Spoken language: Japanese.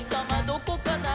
どこかな？」